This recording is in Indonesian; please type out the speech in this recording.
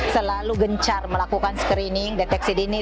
selalu gencar melakukan screening deteksi dini